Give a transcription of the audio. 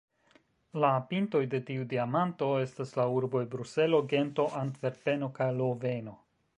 La pintoj de tiu diamanto estas la urboj Bruselo, Gento, Antverpeno kaj Loveno.